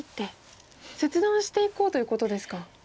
切断していこうということですか。